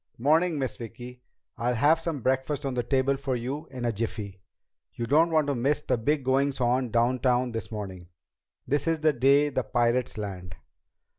"'Morning, Miss Vicki. I'll have some breakfast on the table for you in a jiffy. You don't want to miss the big goings on downtown this morning. This is the day the pirates land."